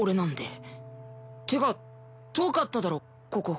てか遠かっただろここ。